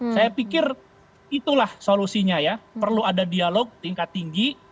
saya pikir itulah solusinya ya perlu ada dialog tingkat tinggi